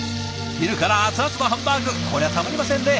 昼から熱々のハンバーグこりゃたまりませんね。